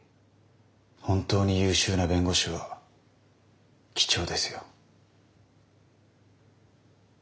本当に優秀な弁護士は貴重ですよ。